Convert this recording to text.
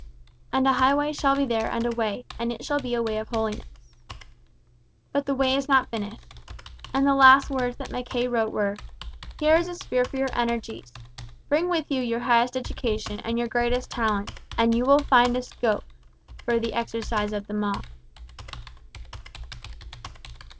"And a highway shall be there and a way; and it shall be a way of holiness." But the Way is not finished. And the last words that Mackay wrote were: "Here is a sphere for your energies. Bring with you your highest education and your greatest talents, and you will find scope for the exercise of them all."